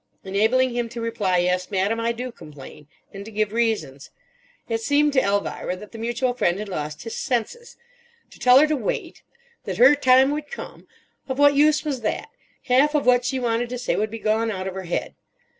enabling him to reply, "Yes, madam, I do complain," and to give reasons. It seemed to Elvira that the mutual friend had lost his senses. To tell her to "wait"; that "her time would come"; of what use was that! Half of what she wanted to say would be gone out of her head.